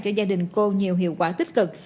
cho gia đình cô nhiều hiệu quả tích cực